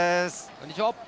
こんにちは。